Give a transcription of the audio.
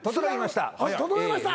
整いました。